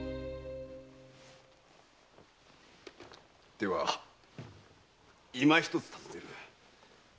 では今ひとつ尋ねる。